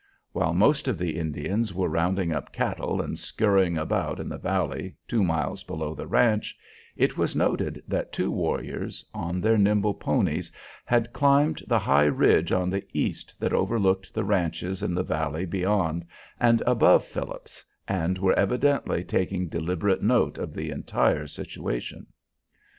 While most of the Indians were rounding up cattle and scurrying about in the valley, two miles below the ranch, it was noted that two warriors, on their nimble ponies, had climbed the high ridge on the east that overlooked the ranches in the valley beyond and above Phillips's, and were evidently taking deliberate note of the entire situation.